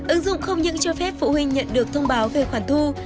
ứng dụng không những cho phép phụ huynh nhận được thông báo về khoản thu